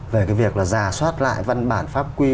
về cái việc là giả soát lại văn bản pháp quy